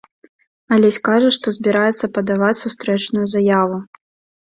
Алесь кажа, што збіраецца падаваць сустрэчную заяву.